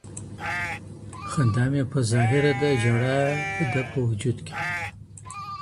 خندا مې په ظاهره ده ژړا ده په وجود کې